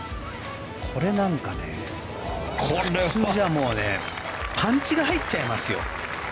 これなんかね、普通じゃもうパンチが入っちゃいますよ。